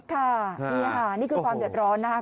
ค่ะนี่ค่ะนี่คือความเดือดร้อนนะครับ